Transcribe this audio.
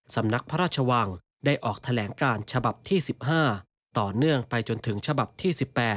สำนักพระราชวังได้ออกแถลงการฉบับที่๑๕ต่อเนื่องไปจนถึงฉบับที่๑๘